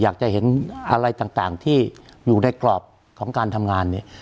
อยากจะเห็นอะไรต่างที่อยู่ในกรอบของการทำงานเนี่ย